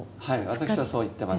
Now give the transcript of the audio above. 私はそう言ってます。